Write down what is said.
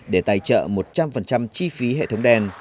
để tài trợ một trăm linh chi phí hệ thống đèn